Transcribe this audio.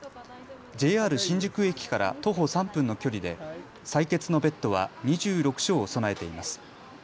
ＪＲ新宿駅から徒歩３分の距離で採血のベッドは２６床を備えています。